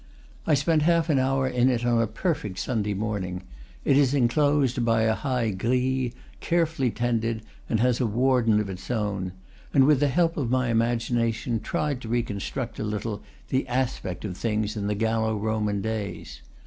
I spent half an hour in it on a perfect Sunday morning (it is en closed by a high grille, carefully tended, and has a warden of its own), and with the help of my imagina tion tried to reconstruct a little the aspect of things in the Gallo Roman days.